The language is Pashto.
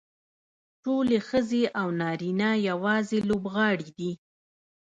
ټولې ښځې او نارینه یوازې لوبغاړي دي.